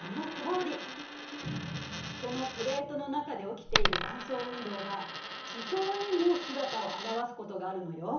そのプレートの中で起きている断層運動が地表にも姿を現すことがあるのよ。